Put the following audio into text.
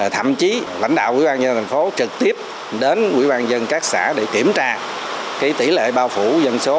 thậm chí lãnh đạo quỹ ban nhân thành phố trực tiếp đến quỹ ban dân các xã để kiểm tra tỷ lệ bao phủ dân số